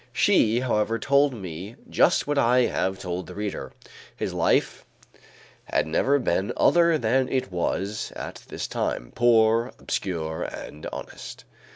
She, however, told me just what I have told the reader; his life had never been other than it was at this time, poor, obscure and honest.